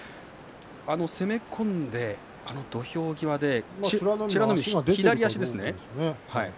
攻め込んで、あの土俵際で美ノ海の左足ですね。